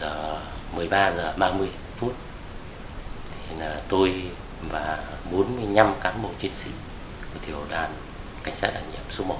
giờ một mươi ba h ba mươi phút tôi và bốn mươi năm cán bộ chiến sĩ thiếu đoàn cảnh sát đặc nhiệm số một